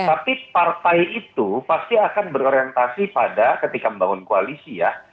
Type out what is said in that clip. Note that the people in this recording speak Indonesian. tapi partai itu pasti akan berorientasi pada ketika membangun koalisi ya